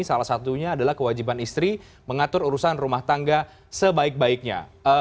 salah satunya adalah kewajiban istri mengatur urusan rumah tangga sebaik baiknya